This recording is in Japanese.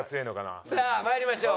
さあまいりましょう。